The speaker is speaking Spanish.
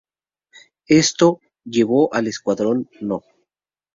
Esto llevó al Escuadrón No.